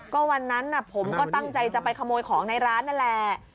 ก็วันนั้นผมก็ตั้งใจจะไปขโมยของในร้านนั่นแหละ